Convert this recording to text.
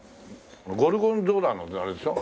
ゴルゴンゾーラのあれでしょ？